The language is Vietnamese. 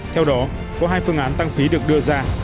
theo đó có hai phương án tăng phí được đưa ra